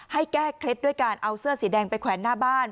ให้แก้เคล็ดด้วยการเอาเสื้อสีแดงไปแขวนหน้าบ้าน